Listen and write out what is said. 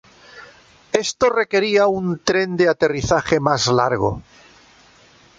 Esto requería un tren de aterrizaje más largo.